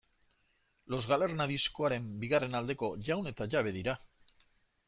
Los Galerna diskoaren bigarren aldeko jaun eta jabe dira.